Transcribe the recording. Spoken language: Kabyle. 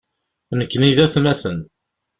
Nekni d atmaten.